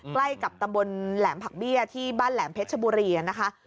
ใกล้กับตำบลแหลมผักเบี้ยที่บ้านแหลมเพชรชบุรีนะคะ